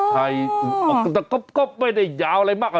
แต่ก็ไม่ได้ยาวอะไรมาก